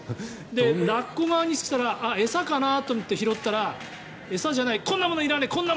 ラッコ側にしたら餌かなと思って拾ったら餌じゃないこんなものいらねえ！